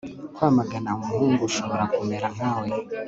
Kwamagana umuhungu ushobora kumera nkawe